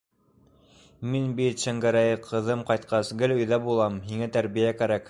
Мин бит, Шәңгәрәй, ҡыҙым ҡайтҡас, гел өйҙә булам, һиңә тәрбиә кәрәк.